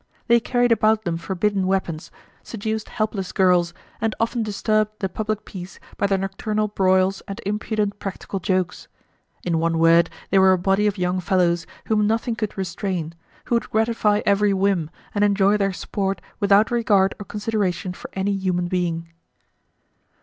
They carried about them forbidden weapons, seduced helpless girls, and often disturbed the public peace by their nocturnal broils and impudent practical jokes; in one word, they were a body of young fellows, whom nothing could restrain, who would gratify every whim, and enjoy their sport without regard or consideration for any human being.